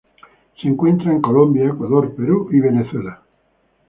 Se encuentra en Colombia, Ecuador, Perú, y Venezuela.